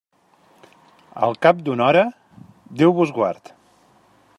Al cap d'una hora, Déu vos guard.